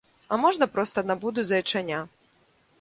А можа, проста набуду зайчаня.